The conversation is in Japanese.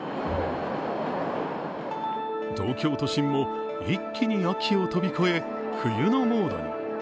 東京都心も一気に秋を飛び越え冬のモードに。